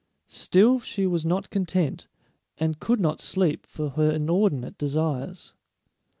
Still she was not content, and could not sleep for her inordinate desires.